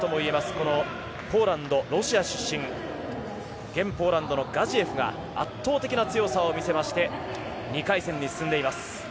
このポーランド、ロシア出身現ポーランドのガジエフが圧倒的な強さを見せまして２回戦に進んでいます。